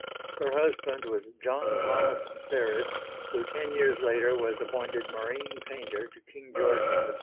Her husband was John Thomas Serres who ten years later was appointed marine painter to King George III.